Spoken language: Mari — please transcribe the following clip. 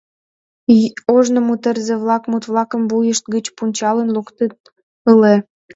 Ожно мутерзе-влак мут-влакым вуйышт гыч пунчалын луктыт ыле.